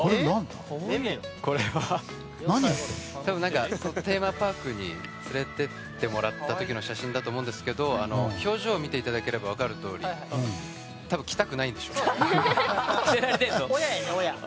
これはテーマパークに連れて行ってもらった時の写真だと思うんですけど表情を見ていただければ分かるとおり多分、着たくないんでしょうね。